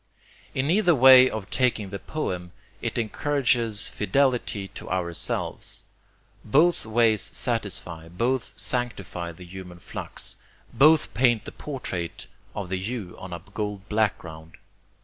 In either way of taking the poem, it encourages fidelity to ourselves. Both ways satisfy; both sanctify the human flux. Both paint the portrait of the YOU on a gold background.